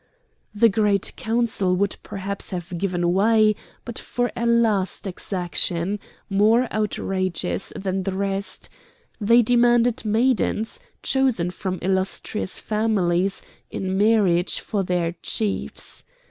The Great Council would perhaps have given way but for a last exaction, more outrageous than the rest; they demanded maidens, chosen from illustrious families, in marriage for their chiefs.